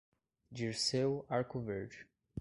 Dirceu Arcoverde